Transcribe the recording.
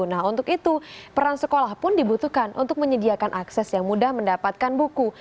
nah untuk itu peran sekolah pun dibutuhkan untuk menyediakan akses yang mudah mendapatkan buku